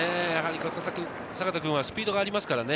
阪田君はスピードがありますからね。